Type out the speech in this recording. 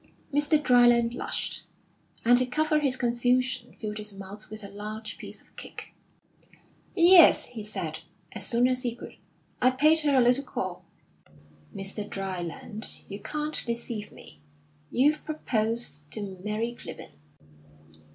Mr. Dryland blushed, and to cover his confusion filled his mouth with a large piece of cake. "Yes," he said, as soon as he could. "I paid her a little call." "Mr. Dryland, you can't deceive me. You've proposed to Mary Clibborn."